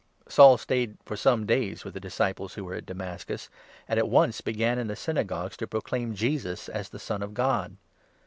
Saul stayed for some days with the disciples who were at Damascus, and at once began in the Synagogues to pro 20 claim Jesus as the Son of God.